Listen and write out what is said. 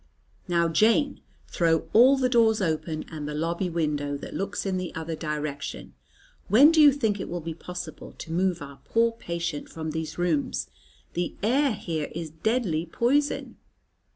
"Now, Jane, throw all the doors open, and the lobby window that looks in the other direction. When do you think it will be possible to move our poor patient from these rooms? The air here is deadly poison."